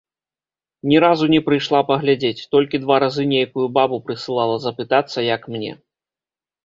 Ні разу не прыйшла паглядзець, толькі два разы нейкую бабу прысылала запытацца, як мне.